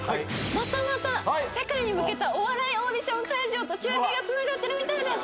またまた世界に向けたお笑いオーディション会場と中継がつながってるみたいです。